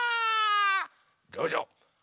どうぞ。